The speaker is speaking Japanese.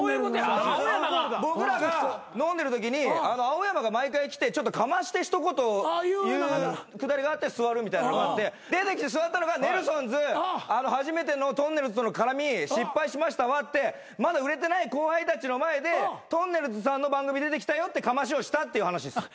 僕らが飲んでるときに青山が毎回来てちょっとかまして一言を言うくだりがあって座るみたいのがあって出てきて座ったのがネルソンズ初めてのとんねるずとの絡み失敗しましたわってまだ売れてない後輩たちの前でとんねるずさんの番組出てきたよってかましをしたっていう話です。